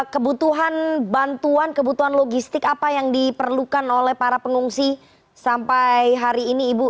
kebutuhan bantuan kebutuhan logistik apa yang diperlukan oleh para pengungsi sampai hari ini ibu